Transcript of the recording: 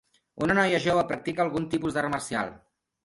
Un noia jove practica algun tipus d'art marcial